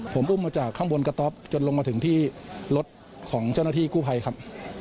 ผมอุ้มมาจากข้างบนกระต๊อบจนลงมาถึงที่รถของเจ้าหน้าที่กู้ภัยครับ